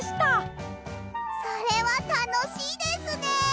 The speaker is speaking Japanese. それはたのしいですね！